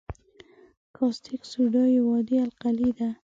کاستک سوډا یو عادي القلي ده.